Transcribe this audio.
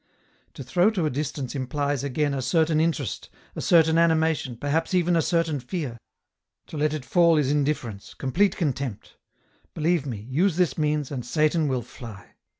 " To throw to a distance implies again a certain interest, a certain animation, perhaps even a certain fear ; to let it fall is indifference, complete contempt ; believe me, use this means and Satan will fly.